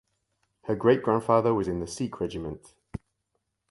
Her great grandfather was in the Sikh Regiment.